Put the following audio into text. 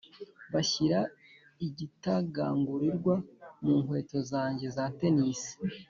bashyira igitagangurirwa mu nkweto zanjye za tennis